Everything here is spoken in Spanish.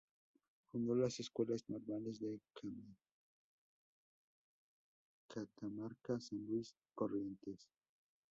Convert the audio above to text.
Fundó las escuelas normales de Catamarca, San Luis y Corrientes.